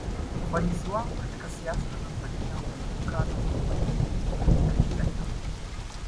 ufanisi wangu katika siasa za tanzania umetokana na umakini katika kila jambo